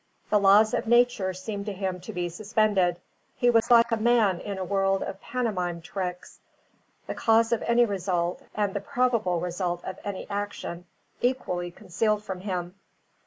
The laws of nature seemed to him to be suspended; he was like a man in a world of pantomime tricks; the cause of any result, and the probable result of any action, equally concealed from him.